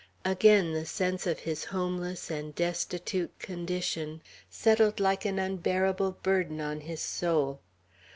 Again the sense of his homeless and destitute condition settled like an unbearable burden on his soul.